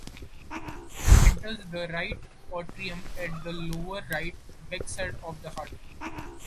It enters the right atrium at the lower right, back side of the heart.